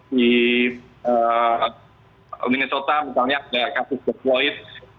di minnesota misalnya ada kasus dekloid